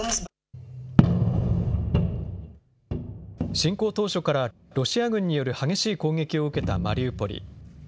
侵攻当初からロシア軍による激しい攻撃を受けたマリウポリ。